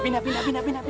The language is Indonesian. pindah pindah pindah